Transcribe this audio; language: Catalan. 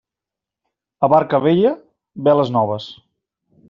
A barca vella, veles noves.